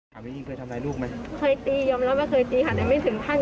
คุณทำร้ายลูกไหมค่อยตียอมรับว่าเคยตีค่ะแต่ไม่ถึงท่าน